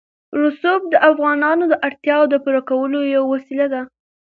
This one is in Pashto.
رسوب د افغانانو د اړتیاوو د پوره کولو یوه وسیله ده.